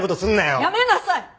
やめなさい！